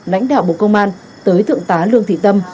lãnh đạo bộ công an tới thượng tá lương thị tâm